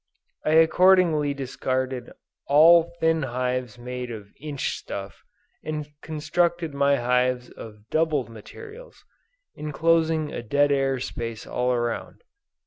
I accordingly discarded all thin hives made of inch stuff, and constructed my hives of doubled materials, enclosing a "dead air" space all around.